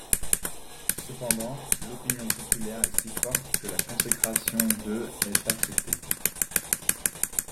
Cependant, l'opinion populaire est si forte que la consécration de est acceptée.